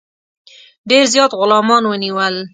ډېر زیات غلامان ونیول.